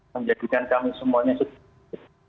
menjadikan kami semuanya sedih